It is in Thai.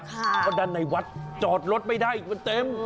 เพราะด้านในวัดจอดรถไม่ได้มันเต็ม